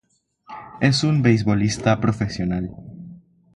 Es un beisbolista profesional.